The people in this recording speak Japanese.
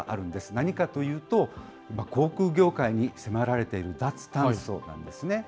何かというと、今、航空業界に迫られている脱炭素なんですね。